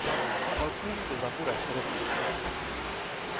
Qualcuno dovrà pur essere primo.